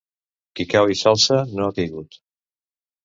Qui cau i s'alça, no ha caigut.